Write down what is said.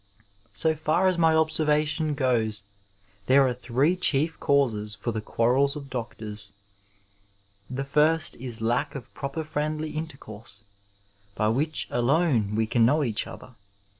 So far as my observation goes there are three chief causes for the quarrels of doctors. The first is lack of proper friendly intercourse, by which alone we can know each other.